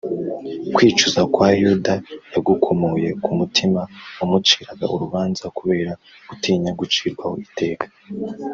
kwicuza kwa yuda yagukomoye ku mutima wamuciraga urubanza kubera gutinya gucirwaho iteka